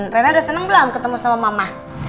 rena udah seneng belum ketemu sama mama